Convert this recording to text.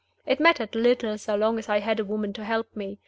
It mattered little, so long as I had a woman to help me.